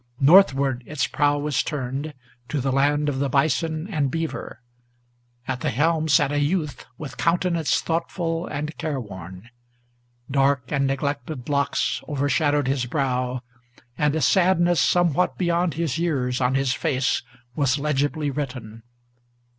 Northward its prow was turned, to the land of the bison and beaver. At the helm sat a youth, with countenance thoughtful and care worn. Dark and neglected locks overshadowed his brow, and a sadness Somewhat beyond his years on his face was legibly written.